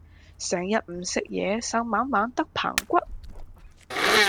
成日唔食嘢瘦蜢蜢得棚骨